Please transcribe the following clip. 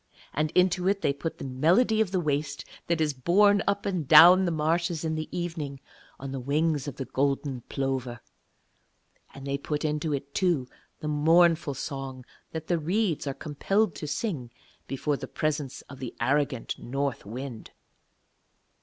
And into it they put the melody of the waste that is borne up and down the marshes in the evening on the wings of the golden plover. And they put into it, too, the mournful song that the reeds are compelled to sing before the presence of the arrogant North Wind.